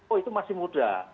oh itu masih muda